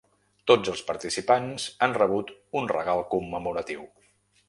Tots els participants han rebut un regal commemoratiu.